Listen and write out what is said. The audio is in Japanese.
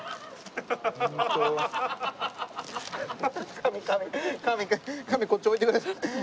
紙紙紙こっち置いてください。